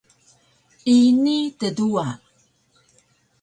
Ini tduwa!